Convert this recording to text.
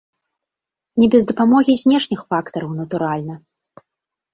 Не без дапамогі знешніх фактараў, натуральна.